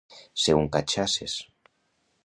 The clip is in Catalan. Ser un catxasses.